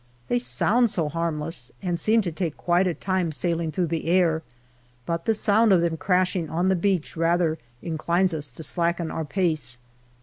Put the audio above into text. They sound so harmless, and seem to take quite a time sailing through the ah", but the sound of them crashing on the beach rather inclines us to slacken our pace.